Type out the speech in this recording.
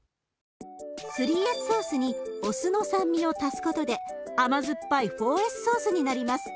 ３Ｓソースにお酢の酸味を足すことで甘酸っぱい４Ｓソースになります。